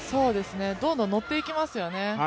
どんどんのっていきますよね。